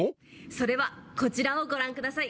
それはこちらをご覧下さい。